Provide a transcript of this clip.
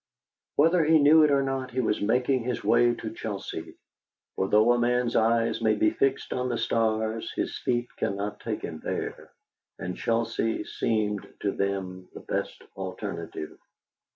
Whether he knew it or not, he was making his way to Chelsea, for though a man's eyes may be fixed on the stars, his feet cannot take him there, and Chelsea seemed to them the best alternative.